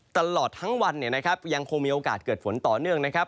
ตลอดทั้งวันเนี่ยนะครับยังคงมีโอกาสเกิดฝนต่อเนื่องนะครับ